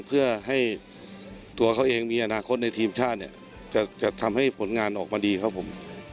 เพื่อให้ตัวเขาเองมีอนาคตในทีมชาติเนี่ยจะทำให้ผลงานออกมาดีครับผม